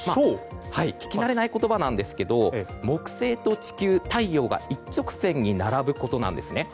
聞き慣れない言葉ですが木星と地球、太陽が一直線に並ぶことなんですね。